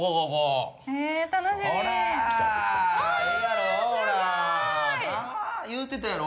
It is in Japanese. なぁ言うてたやろ？